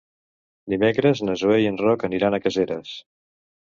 Dimecres na Zoè i en Roc aniran a Caseres.